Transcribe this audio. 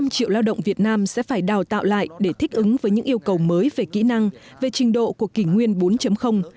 năm triệu lao động việt nam sẽ phải đào tạo lại để thích ứng với những yêu cầu mới về kỹ năng về trình độ của kỷ nguyên bốn